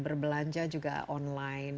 berbelanja juga online